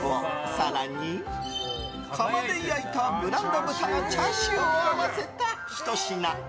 更に、窯で焼いたブランド豚のチャーシューを合わせたひと品。